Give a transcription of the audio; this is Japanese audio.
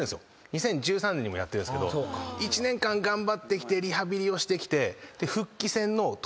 ２０１３年にもやってるんですけど１年間頑張ってきてリハビリをしてきて。